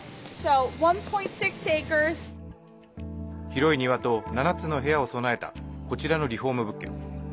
広い庭と７つの部屋を備えたこちらのリフォーム物件。